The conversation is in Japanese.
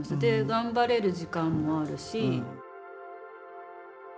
頑張れる時間もあるし。